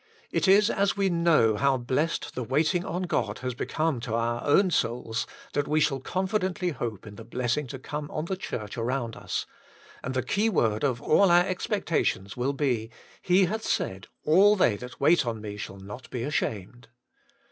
It is as we know how blessed the waiting on God has become to our own souls, that we shall confidently hope in the blessing to come on the Church around us, and the key word of all our expectations will be. He hath said ;* All they that wait on Me shall not be ashamed.'